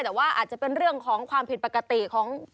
แต่ว่าอาจจะเป็นเรื่องของความผิดปกติของ